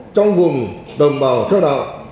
trong vùng đồng bào theo đạo